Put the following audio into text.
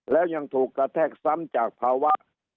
แล้วยังถูกกระแทกซ้ำจากภาวะ